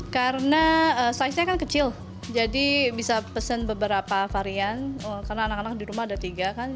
karena saiznya kan kecil jadi bisa pesen beberapa varian karena anak anak di rumah ada tiga kan